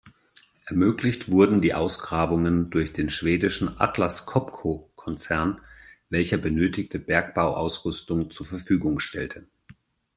Ermöglicht wurden die Ausgrabungen durch den schwedischen Atlas-Copco-Konzern, welcher benötigte Bergbau-Ausrüstung zur Verfügung stellte.